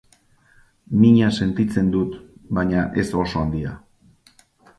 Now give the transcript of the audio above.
Mina sentitzen dut, baina ez oso handia.